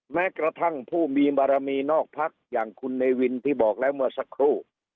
แม้กระทั่งผู้มีบารมีนอกพักอย่างคุณเนวินที่บอกแล้วเมื่อสักครู่